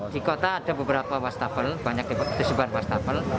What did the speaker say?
di kota ada beberapa washtafel banyak disebar washtafel